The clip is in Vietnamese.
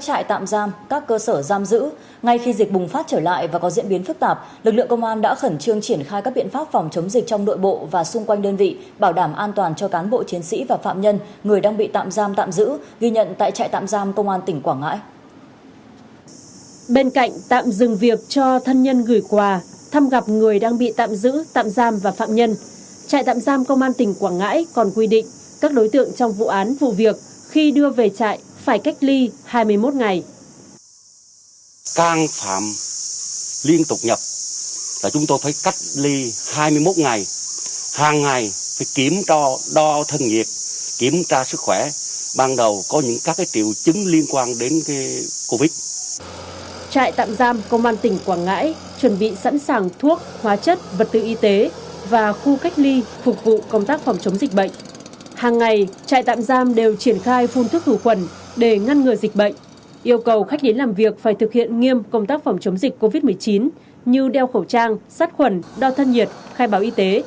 trại tạm giam đều triển khai phun thức hữu khuẩn để ngăn ngừa dịch bệnh yêu cầu khách đến làm việc phải thực hiện nghiêm công tác phòng chống dịch covid một mươi chín như đeo khẩu trang sát khuẩn đo thân nhiệt khai báo y tế